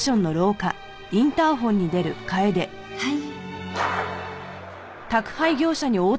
はい。